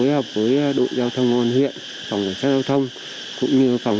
công an xã yên phú đã phối hợp với đội giao thông nguồn huyện phòng kiểm tra giao thông cũng như phòng